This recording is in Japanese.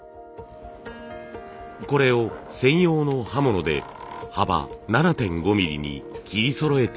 これを専用の刃物で幅７．５ミリに切りそろえていきます。